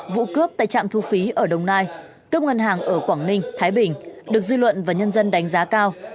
vụ cướp tại trạm thu phí ở đồng nai cướp ngân hàng ở quảng ninh thái bình được dư luận và nhân dân đánh giá cao